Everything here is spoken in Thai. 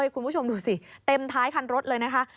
คุณผู้ชมดูสิเต็มท้ายคันรถเลยนะคะ